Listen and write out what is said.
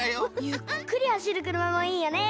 ゆっくりはしるくるまもいいよね！